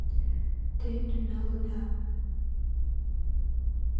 — Те тӱҥалыда.